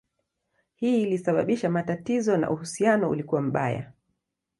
Hii ilisababisha matatizo na uhusiano ulikuwa mbaya.